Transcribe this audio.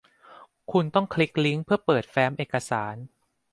คุณต้องคลิกลิ้งก์เพื่อเปิดแฟ้มเอกสาร